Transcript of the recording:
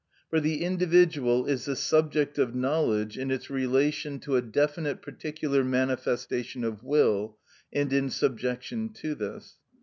For the individual is the subject of knowledge in its relation to a definite particular manifestation of will, and in subjection to this.